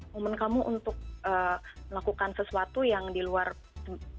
momen kamu untuk melakukan sesuatu yang di luar apa yang sebelumnya